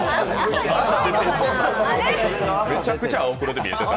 めちゃくちゃ青黒で見えてた。